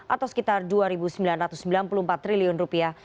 atau sekitar dua sembilan ratus sembilan puluh empat triliun rupiah